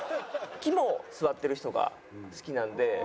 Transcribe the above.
肝据わってる人が好きなんで。